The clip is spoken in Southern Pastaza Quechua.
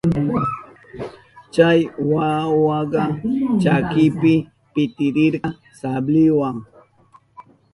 Chay wawaka chakinpi pitirirka sabliwa.